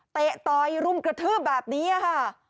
ต่อยรุมกระทืบแบบนี้ค่ะ